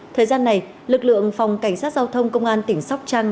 thời gian này lực lượng phòng cảnh sát giao thông công an tỉnh sóc trăng